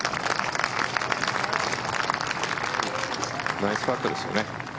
ナイスパットですよね。